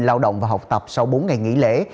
lao động và học tập sau bốn ngày nghỉ lễ